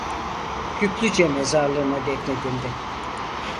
Küplüce Mezarlığı'na defnedildi.